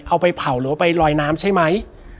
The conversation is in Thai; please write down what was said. เอาไปเผาหรือว่าไปลอยน้ำใช่ไหม